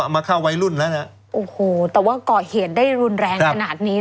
โอ้โหแต่ว่าก่อเหตุได้รุนแรงขนาดนี้นะครับ